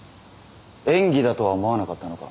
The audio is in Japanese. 演技だとは思わなかったのか？